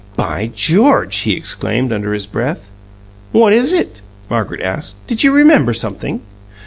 "By George!" he exclaimed, under his breath. "What is it?" Margaret asked. "Did you remember something?"